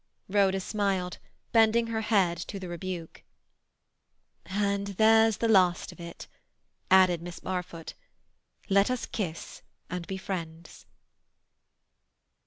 Rhoda smiled, bending her head to the rebuke. "And there's the last of it," added Miss Barfoot. "Let us kiss and be friends."